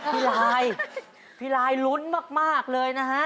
พี่ลายพี่ลายลุ้นมากเลยนะฮะ